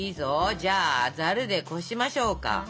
じゃあざるでこしましょうか。